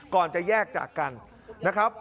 ก่อนจะแยกจากกันนะครับ